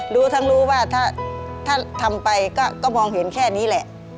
รู้ทั้งรู้ว่าถ้าทำไปก็มองเห็นแค่นี้แหละ